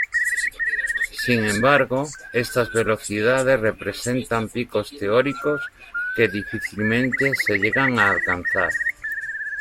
Sin embargo, estas velocidades representan picos teóricos que difícilmente se llegan a alcanzar.